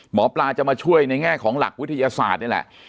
หมอปลาจะมาช่วยในแง่ของหลักวิทยาศาสตร์นี่แหละ